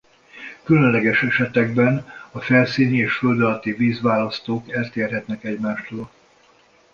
Különleges esetekben a felszíni és a földalatti vízválasztók eltérhetnek egymástól.